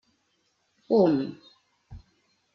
Hum...